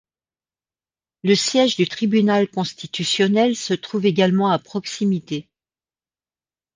Le siège du Tribunal constitutionnel se trouve également à proximité.